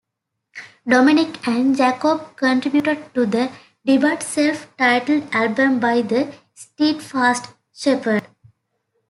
Domenic and Jacob contributed to the debut self-titled album by The Steadfast Shepherd.